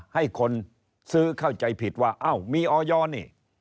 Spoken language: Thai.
ให้คนซื้อเข้าใจผิดว่าอ้าวมีออยนี่